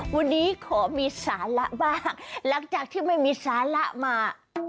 วันนี้ขอมีสาระบ้างหลังจากที่ไม่มีสาระมา